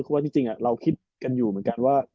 เพราะว่าจริงเราคิดกันอยู่เหมือนกันว่า